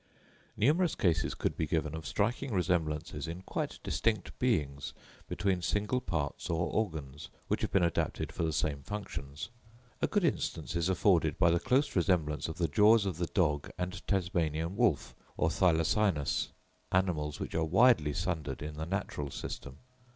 Numerous cases could be given of striking resemblances in quite distinct beings between single parts or organs, which have been adapted for the same functions. A good instance is afforded by the close resemblance of the jaws of the dog and Tasmanian wolf or Thylacinus—animals which are widely sundered in the natural system.